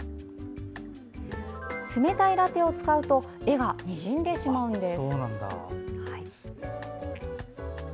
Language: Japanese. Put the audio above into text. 冷たいラテを使うと絵がにじんでしまうんです。